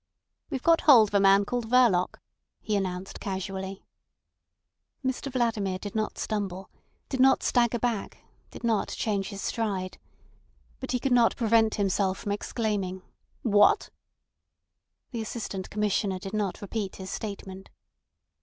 "We've got hold of a man called Verloc," he announced casually. Mr Vladimir did not stumble, did not stagger back, did not change his stride. But he could not prevent himself from exclaiming: "What?" The Assistant Commissioner did not repeat his statement.